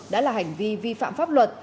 đã là hành vi vi phạm pháp luật